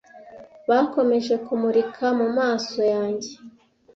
Bakomeje kumurika mu maso yanjye.